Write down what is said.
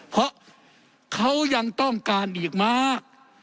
เพราะเขายังต้องการอีกมาก